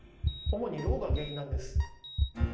主にロウが原因なんです。